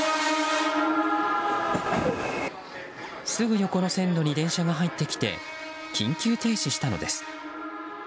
すぐ横の線路に電車が入ってきて緊急停止したのです。